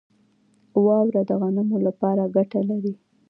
واوره د غنمو لپاره ګټه لري.